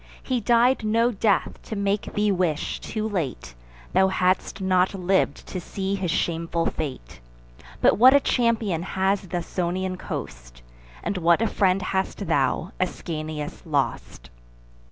He died no death to make thee wish, too late, Thou hadst not liv'd to see his shameful fate: But what a champion has th' Ausonian coast, And what a friend hast thou, Ascanius, lost!"